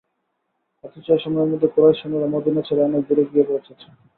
অথচ এ সময়ের মধ্যে কুরাইশ সৈন্যরা মদীনা ছেড়ে অনেক দূরে গিয়ে পৌঁছেছে।